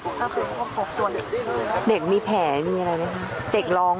ก็คือพบตัวเด็กอืมเด็กมีแผลมีอะไรมั้ยคะเด็กร้องมั้ยเด็กไม่ร้องค่ะ